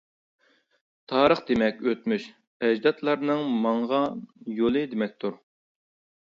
تارىخ دېمەك ئۆتمۈش، ئەجدادلارنىڭ ماڭغان يولى دېمەكتۇر.